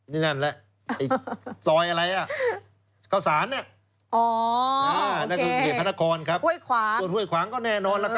นี่นั่นแหละ